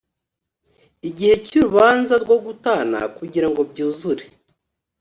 igihe cy’urubanza rwo gutana kugira ngo byuzure